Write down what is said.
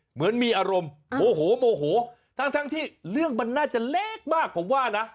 เหมือนมีอารมณ์โมโหโมโหทั้งที่เรื่องมันน่าจะเล็กมากผมว่านะ